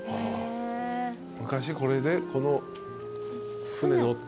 昔これでこの船乗って。